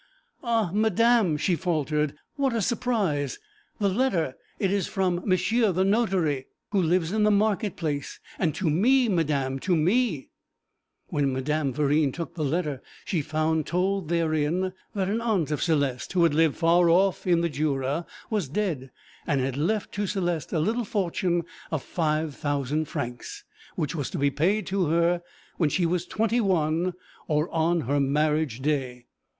'Ah, madam,' she faltered, 'what a surprise! The letter, it is from monsieur the notary, who lives in the market place, and to me, madam to me!' When Madame Verine took the letter she found told therein that an aunt of Céleste, who had lived far off in the Jura, was dead, and had left to Céleste a little fortune of five thousand francs, which was to be paid to her when she was twenty one, or on her marriage day.